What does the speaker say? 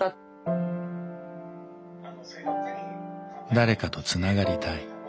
誰かとつながりたい。